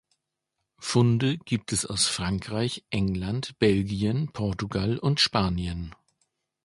Funde gibt es aus Frankreich, England, Belgien, Portugal und Spanien.